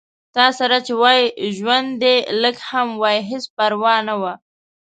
تاسره چې وای ژوند دې لږ هم وای هېڅ پرواه نه وه